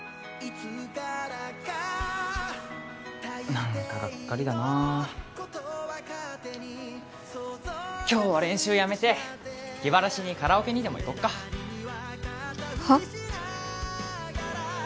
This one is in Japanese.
何かがっかりだなー今日は練習やめて気晴らしにカラオケにでも行こっかはっ？